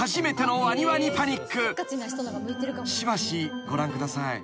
［しばしご覧ください］